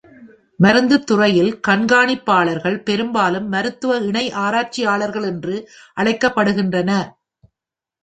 மருந்துத் துறையில் கண்காணிப்பாளர்கள் பெரும்பாலும் மருத்துவ இணை ஆராய்ச்சியாளர்கள் என்று அழைக்கப்படுகின்றன.